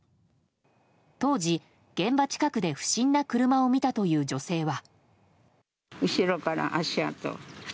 当時、現場近くで不審な車を見たという女性は。